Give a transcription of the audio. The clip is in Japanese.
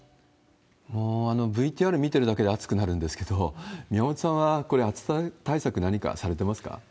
もうＶＴＲ見てるだけで暑くなるんですけど、宮本さんはこれ、暑さ対策、何かされてますか？